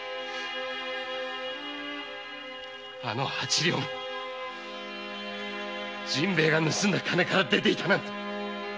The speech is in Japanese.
あの八両も陣兵衛が盗んでいた金から出ていたなんて！